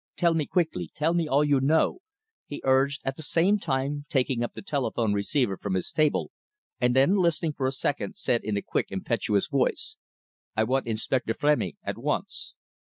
Tell me quickly tell me all you know," he urged, at the same time taking up the telephone receiver from his table and then listening for a second, said in a quick, impetuous voice, "I want Inspector Frémy at once!"